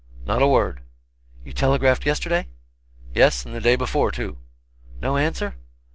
"Not a word." "You telegraphed yesterday?" "Yes, and the day before, too." "No answer?"